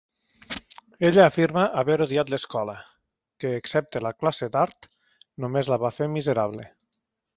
Ella afirma haver odiat l'escola, que, excepte la classe d'art, només la va fer miserable.